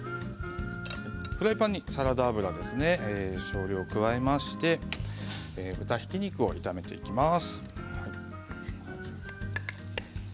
フライパンにサラダ油ですね少量、加えまして豚ひき肉を炒めていきます。